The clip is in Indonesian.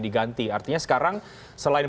diganti artinya sekarang selain